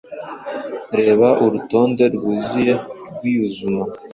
Reba urutonde rwuzuye rwiuzuma